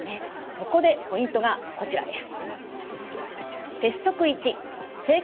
そこでポイントがこちらです。